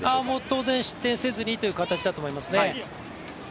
当然失点せずにという形だと思いますね。